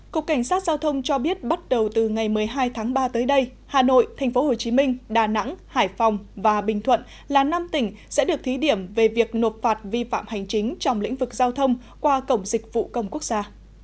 cục cảnh sát giao thông cho biết bắt đầu từ ngày một mươi hai tháng ba tới đây hà nội tp hcm đà nẵng hải phòng và bình thuận là năm tỉnh sẽ được thí điểm về việc nộp phạt vi phạm hành chính trong lĩnh vực giao thông qua cổng dịch vụ công quốc gia